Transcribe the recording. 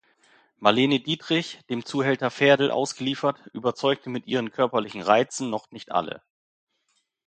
Marlene Dietrich, dem Zuhälter Ferdl ausgeliefert, überzeugte mit ihren körperlichen Reizen noch nicht alle.